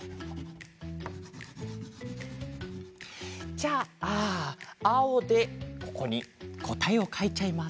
じゃああおでここにこたえをかいちゃいます。